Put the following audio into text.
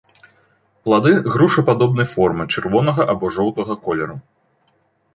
Плады грушападобнай формы, чырвонага або жоўтага колеру.